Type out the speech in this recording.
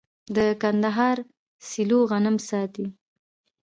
د کندهار سیلو غنم ساتي.